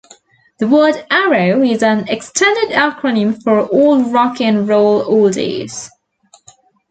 The word "Arrow" is an extended acronym for "All Rock and Roll Oldies".